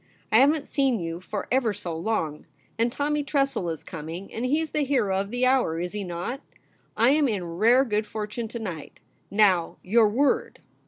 I haven't seen you for ever so long ; and Tommy Tressel is coming, and he's the hero of the hour, is he not ? I am in rare good fortune to night. Now, your word